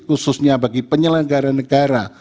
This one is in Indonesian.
khususnya bagi penyelenggara negara